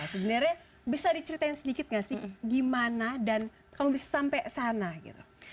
sebenarnya bisa diceritain sedikit nggak sih gimana dan kalau bisa sampai sana gitu